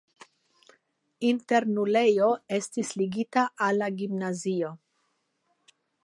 Internulejo estis ligita al la gimnazio.